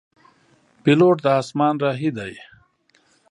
پیلوټ د اسمان راهی دی.